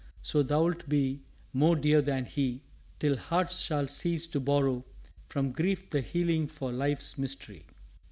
So thou'lt be More dear than he till hearts shall cease to borrow From grief the healing for life's mystery.